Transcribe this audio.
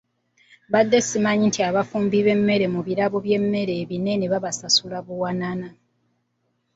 Mbadde simanyi nti abafumbi b'emmere mu birabo by'emmere ebinene babasasula buwanana.